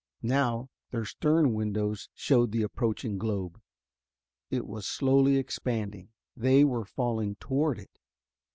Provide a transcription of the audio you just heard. Now their stern windows showed the approaching globe. It was slowly expanding. They were falling toward it.